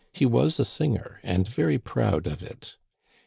He was a singer, and very proud of it.